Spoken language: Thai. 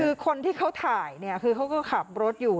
คือคนที่เขาถ่ายเนี่ยคือเขาก็ขับรถอยู่